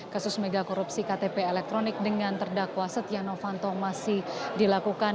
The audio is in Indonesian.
kasus megakorupsi ktp elektronik dengan terdakwa setia novanto masih dilakukan